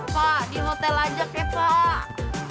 pak di hotel aja ke pak